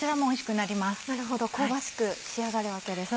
なるほど香ばしく仕上がるわけですね。